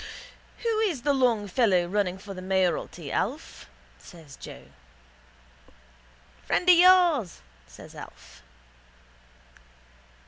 —Who is the long fellow running for the mayoralty, Alf? says Joe. —Friend of yours, says Alf.